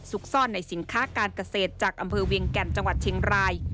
ซ่อนในสินค้าการเกษตรจากอำเภอเวียงแก่นจังหวัดเชียงราย